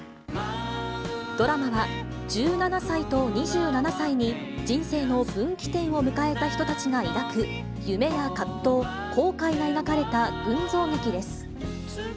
ドラマは、１７歳と２７歳に人生の分岐点を迎えた人たちが描く夢や葛藤、後悔が描かれた群像劇です。